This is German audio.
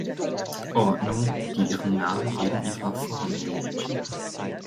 Ordnung, die ihren Namen wegen ihrer Form erhielt.